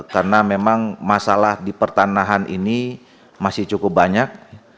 karena memang masalah di pertanahan ini masih cukup banyak